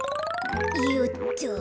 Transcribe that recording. よっと。